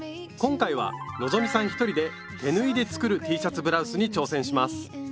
今回は希さん一人で「手縫いで作るＴシャツブラウス」に挑戦します。